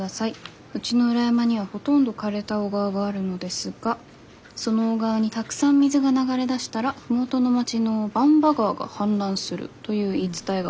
うちの裏山にはほとんど枯れた小川があるのですがその小川にたくさん水が流れ出したら麓の町の番場川が氾濫するという言い伝えが我が家にはあります」。